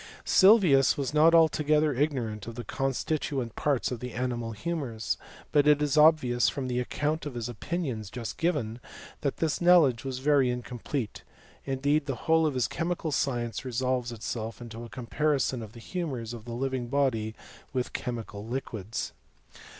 Sylvius was not altogether ignorant of the consti tuent parts of the animal humours ; but it is obvious, j from the account of his opinions just given, that this ■ knowledge was very incomplete ; indeed the whole of his chemical science resolves itself into a compa ■ rison of the humours of the living body with chemical liquids.